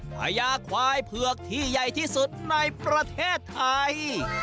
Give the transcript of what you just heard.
พญาควายเผือกที่ใหญ่ที่สุดในประเทศไทย